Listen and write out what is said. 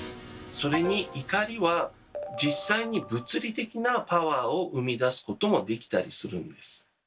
それに怒りは実際に物理的なパワーを生み出すこともできたりするんです。